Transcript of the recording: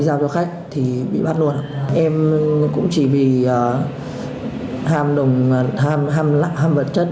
và giữ hai đối tượng là nguyễn viện trung và nguyễn thùy kiệt